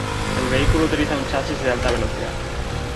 El vehículo utiliza un chasis de alta velocidad.